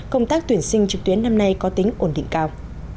công tác tuyển sinh trực tuyến năm nay có tính ổn định cao